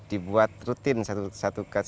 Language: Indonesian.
itu dibuat rutin satu tahun satu kelahiran